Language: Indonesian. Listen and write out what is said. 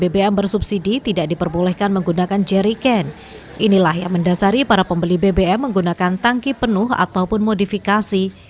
yang menarik tak jauh dari spbu yang diperbolehkan menggunakan jerry can ini yang mendasari para pembeli bbm menggunakan tangki penuh ataupun modifikasi